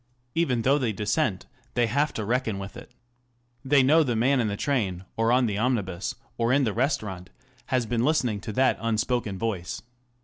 Even though they dissent, they have to reckon with it. They know the man in the train or on the omnibus, or in the restaurant, has been listening to that unspoken voice.